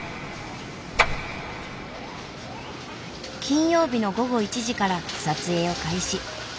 金曜日の午後１時から撮影を開始。